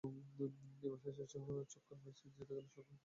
এবার শেষ বলের ছক্কায় ম্যাচ জিতে গেল শেখ জামাল ধানমন্ডি ক্লাব।